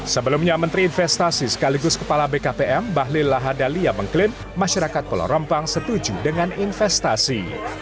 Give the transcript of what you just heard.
sebelumnya menteri investasi sekaligus kepala bkpm bahlil lahadalia mengklaim masyarakat pulau rempang setuju dengan investasi